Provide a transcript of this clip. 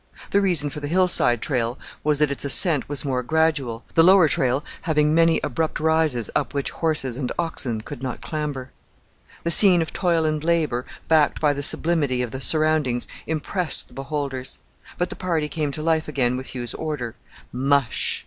The reason for the hillside trail was that its ascent was more gradual, the lower trail having many abrupt rises up which horses and oxen could not clamber. The scene of toil and labour, backed by the sublimity of the surroundings, impressed the beholders; but the party came to life again with Hugh's order, "Mush!"